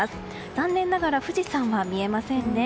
残念ながら富士山は見えませんね。